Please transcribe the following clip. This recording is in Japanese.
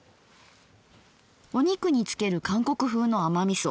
お肉に付ける韓国風の甘みそ。